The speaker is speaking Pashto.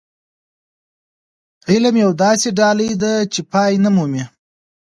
علم يوه داسې ډالۍ ده چې پای نه مومي.